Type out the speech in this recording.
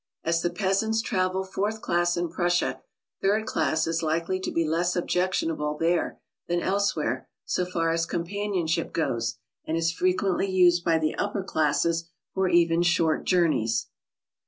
As the peasants travel fourth class in Prussia, third class is likely to be less objectionable there than elsewhere so far as companionship goes, and is frequently used by the upper classes for even short journeys.